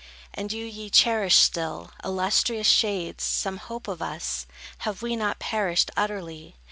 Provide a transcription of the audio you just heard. And do ye cherish still, Illustrious shades, some hope of us? Have we not perished utterly?